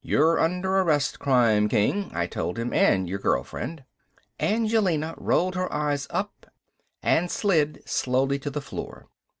"You're under arrest, crime king," I told him. "And your girl friend." Angelina rolled her eyes up and slid slowly to the floor.